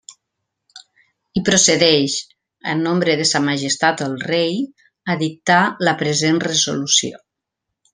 I procedeix, en nombre de sa majestat el rei, a dictar la present resolució.